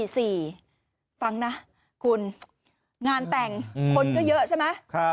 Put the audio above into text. ฟังนะคุณงานแต่งคนก็เยอะใช่ไหม